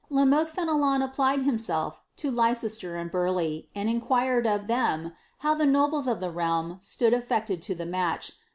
La MotUe Fenelon allied himself lo Leiceslar Mid Bof leigh. and inqtiired of them, how the nobles of the realm stood aflected to lhe malrh.